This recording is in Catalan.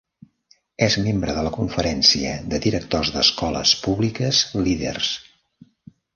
És membre de la Conferència de Directors d'escoles públiques líders.